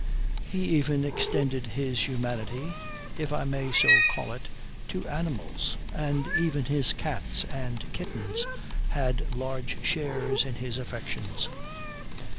He even extended his humanity, if I may so call it, to animals, and even his cats and kittens had large shares in his affections.